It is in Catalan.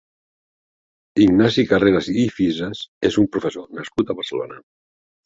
Ignasi Carreras i Fisas és un professor nascut a Barcelona.